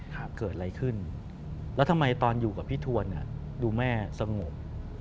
เกิดอะไรขึ้นแล้วทำไมตอนอยู่กับพี่ทวนอ่ะดูแม่สงบ